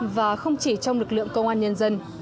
và không chỉ trong lực lượng công an nhân dân